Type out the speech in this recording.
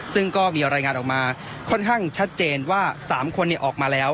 ซึ่งก็มีรายงานออกมาค่อนข้างชัดเจนว่า๓คนออกมาแล้ว